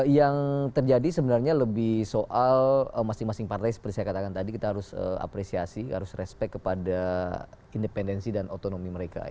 yang terjadi sebenarnya lebih soal masing masing partai seperti saya katakan tadi kita harus apresiasi harus respect kepada independensi dan otonomi mereka